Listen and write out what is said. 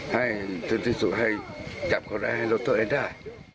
ให้สุดที่สุดให้จับคนร้ายให้รถโต๊ะไอ้ได้